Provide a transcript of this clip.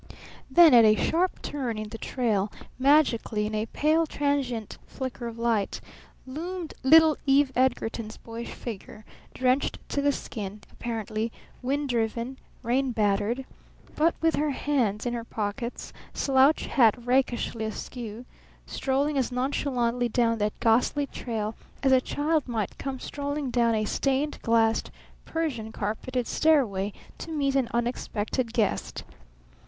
Then at a sharp turn in the trail, magically, in a pale, transient flicker of light, loomed little Eve Edgarton's boyish figure, drenched to the skin apparently, wind driven, rain battered, but with hands in her pockets, slouch hat rakishly askew, strolling as nonchalantly down that ghastly trail as a child might come strolling down a stained glassed, Persian carpeted stairway to meet an expected guest.